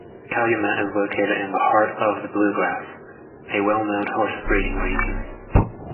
Calumet is located in the heart of the Bluegrass, a well-known horse breeding region.